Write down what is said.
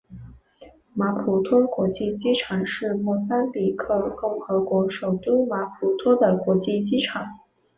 马普托国际机场是莫桑比克共和国首都马普托的国际机场。